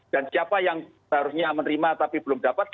dan siapa yang seharusnya menerima tapi belum dapat